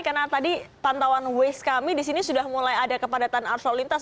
karena tadi pantauan waze kami di sini sudah mulai ada kepadatan arslo lintas